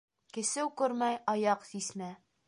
Кисеү күрмәй аяҡ сисмә.